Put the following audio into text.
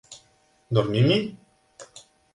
Dormim-hi!